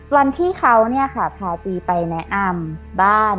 วันที่เขาเนี่ยค่ะพาจีไปแนะอำบ้าน